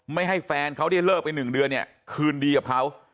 ให้แฟนเขาได้เลิกไป๑เดือนเนี่ยคืนดีกับเขา